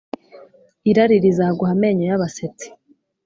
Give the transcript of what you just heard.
Irari rizaguha amenyo y’abasetsi.